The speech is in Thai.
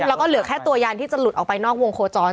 แล้วก็เหลือแค่ตัวยานที่จะหลุดออกไปนอกวงโคจร